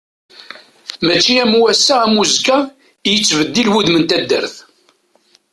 Mačči am ass-a am uzekka i yettbeddil wudem n taddart.